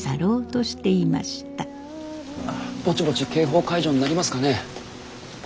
ぼちぼち警報解除になりますかね？